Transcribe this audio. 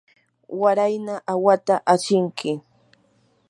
warayna awhata ashinki.